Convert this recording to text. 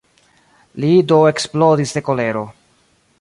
Li do eksplodis de kolero.